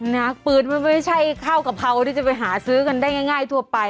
นักปืนมันไม่ใช่ข้าวกะเพราที่จะไปหาซื้อกันได้ง่ายทั่วไป